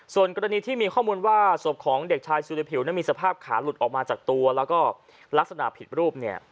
ส่วนกรณีที่มีข้อมูลว่าศพของเด็กชายสุริผิวนั้นมีสภาพขาหลุดออกมาจากตัวแล้วก็ลักษณะผิดรูปเนี่ย